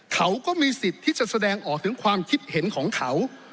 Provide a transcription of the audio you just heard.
เขาก็มีสิทธิ์ที่จะแสดงออกถึงความคิดเห็นของเขา